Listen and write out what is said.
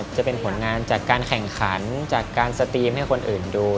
จะเป็นผลงานจากการแข่งขันจากการสตรีมให้คนอื่นดู